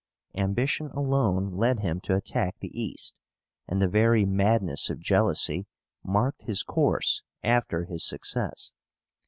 Ambition alone led him to attack the East; and the very madness of jealousy marked his course after his success.